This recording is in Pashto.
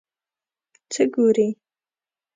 څه ګورې ؟